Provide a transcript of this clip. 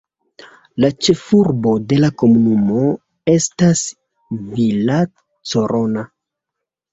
La ĉefurbo de la komunumo estas Villa Corona.